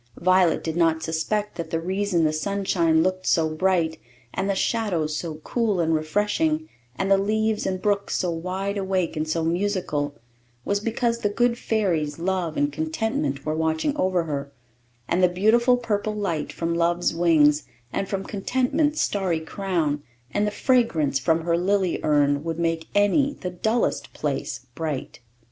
Violet did not suspect that the reason the sunshine looked so bright, and the shadows so cool and refreshing, and the leaves and brook so wide awake and so musical, was because the good fairies Love and Contentment were watching over her; and the beautiful purple light from Love's wings, and from Contentment's starry crown, and the fragrance from her lily urn, would make any, the dullest place, bright.